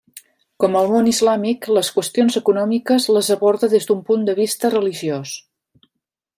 Com al món islàmic, les qüestions econòmiques les aborda des d’un punt de vista religiós.